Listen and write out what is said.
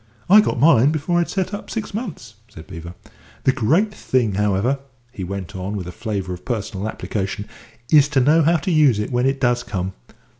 "I got mine before I'd set up six months," said Beevor. "The great thing, however," he went on, with a flavour of personal application, "is to know how to use it when it does come.